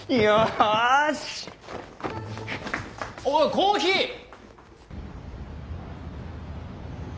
おいコーヒー！